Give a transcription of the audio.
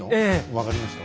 分かりました。